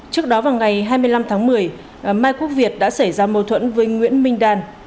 trước đó vào ngày hai mươi năm tháng một mươi mai quốc việt đã xảy ra mâu thuẫn với nguyễn minh đan